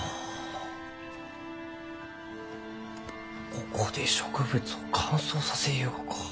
ここで植物を乾燥させゆうがか。